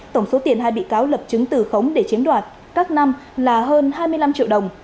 tổng số tiền hai bị cáo lập chứng từ khống để chiếm đoạt các năm là hơn hai mươi năm triệu đồng